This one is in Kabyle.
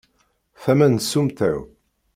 Tama n tsumta-w.